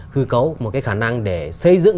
hư cấu một cái khả năng để xây dựng